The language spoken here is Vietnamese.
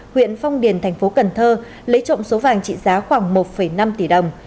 huyện phong điền tp cn lấy trộm số vàng trị giá khoảng một năm tỷ đồng